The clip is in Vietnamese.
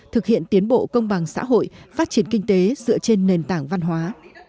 thực hiện tiến bộ công bằng xã hội phát triển kinh tế dựa trên nền tảng văn hóa